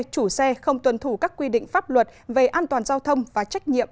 chủ xe không tuần thủ các quy định pháp luật về an toàn giao thông và trách nhiệm